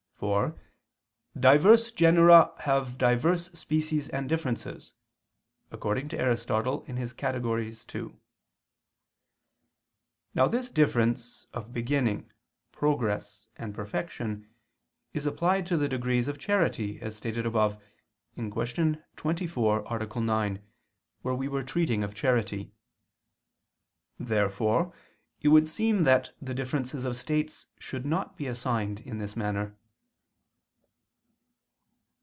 For "diverse genera have diverse species and differences" [*Aristotle, Categ. ii]. Now this difference of beginning, progress, and perfection is applied to the degrees of charity, as stated above (Q. 24, A. 9), where we were treating of charity. Therefore it would seem that the differences of states should not be assigned in this manner.